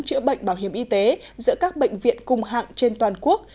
chữa bệnh bảo hiểm y tế giữa các bệnh viện cùng hạng trên toàn quốc